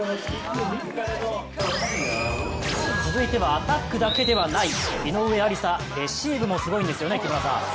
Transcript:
続いてはアタックだけではない井上愛里沙レシーブもすごいんですよね。